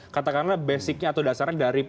katakanlah basic nya atau dasarnya dari